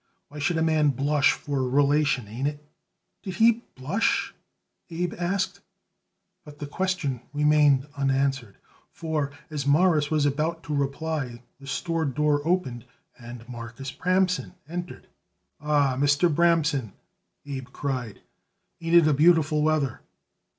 Why should a man blush for a relation, ain't it?" "Did he blush?" Abe asked; but the question remained unanswered, for as Morris was about to reply the store door opened and Marcus Bramson entered. "Ah, Mr. Bramson," Abe cried, "ain't it a beautiful weather?"